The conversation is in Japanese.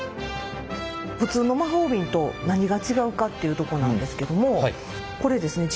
普通の魔法瓶と何が違うかっていうとこなんですけどもこれですね